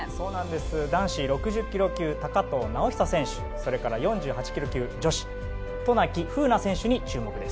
男子６０ｋｇ級高藤直寿選手それから女子４８ｋｇ級渡名喜風南選手に注目です。